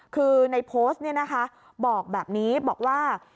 คือในโพสต์เนี่ยนะคะบอกแบบนี้บอกว่า